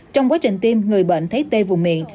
trong quá trình tiêm người bệnh thấy tê vùng miệng